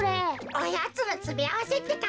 おやつのつめあわせってか？